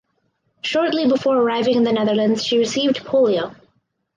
Shortly before arriving in the Netherlands she received polio.